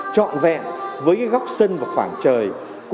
trọn vẹn với góc sân và khoảng trời